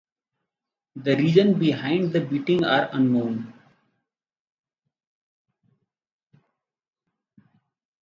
The reasons behind the beating are unknown.